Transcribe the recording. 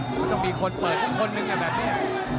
มันต้องมีคนเปิดสักคนหนึ่งแบบนี้